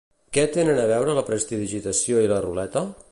Què tenen a veure la prestidigitació i la ruleta?